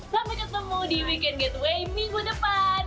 sampai ketemu di weekend gitaway minggu depan